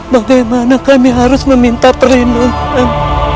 bagaimana kami harus meminta perlindungan